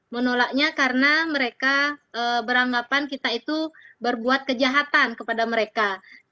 menolaknya karena mereka beranggapan kita itu berbuat kejahatan kepada mereka